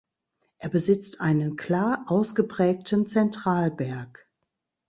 Er besitzt einen klar ausgeprägten Zentralberg.